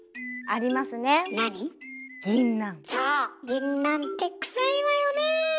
ぎんなんってクサいわよねえ！